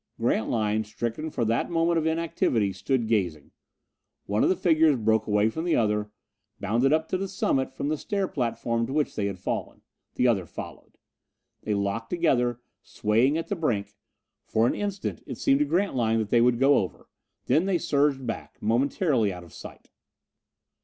Grantline, stricken for that moment of inactivity, stood gazing. One of the figures broke away from the other, bounded up to the summit from the stair platform to which they had fallen. The other followed. They locked together, swaying at the brink. For an instant it seemed to Grantline that they would go over; then they surged back, momentarily out of sight.